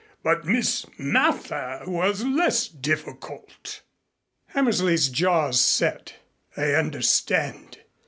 But Miss Mather was less difficult." Hammersley's jaws set. "I understand.